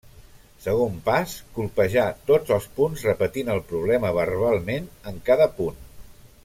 Segon pas: colpejar tots els punts repetint el problema verbalment en cada punt.